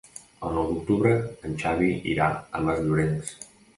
El nou d'octubre en Xavi irà a Masllorenç.